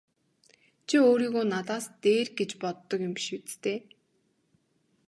Чи өөрийгөө надаас дээр гэж боддог юм биш биз дээ!